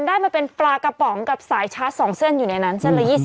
ได้มาเป็นปลากระป๋องกับสายชาร์จ๒เส้นอยู่ในนั้นเส้นละ๒๐